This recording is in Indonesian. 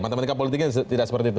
matematika politiknya tidak seperti itu